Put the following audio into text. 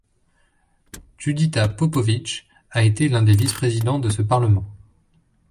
Judita Popović a été l'un des vice-présidents de ce parlement.